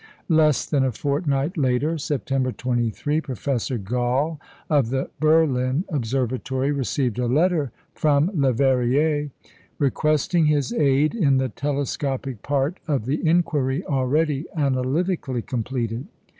Less than a fortnight later, September 23, Professor Galle, of the Berlin Observatory, received a letter from Leverrier requesting his aid in the telescopic part of the inquiry already analytically completed.